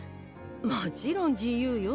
もちろん自由よ。